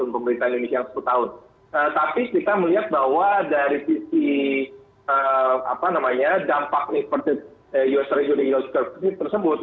pemerintah indonesia yang sepuluh tahun tapi kita melihat bahwa dari sisi dampak inverted us treasury